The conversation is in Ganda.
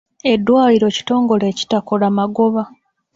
Eddwaliro kitongole ekitakola magoba.